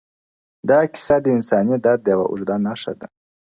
دا کيسه د انساني درد يوه اوږده نښه ده,